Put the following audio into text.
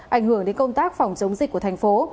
ảnh hưởng đến công tác phòng chống dịch của thành phố